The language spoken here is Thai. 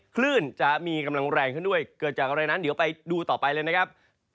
คลื่นจะมีกำลังแรงขึ้นด้วยเกิดจากอะไรนั้นเดี๋ยวไปดูต่อไปเลยนะครับ